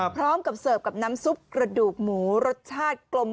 พร้อมกับเสิร์ฟกับน้ำซุปกระดูกหมูรสชาติกลม